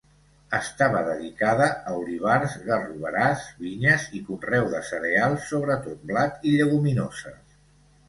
Estava dedicada a olivars, garroverars, vinyes i conreu de cereals, sobretot blat, i lleguminoses.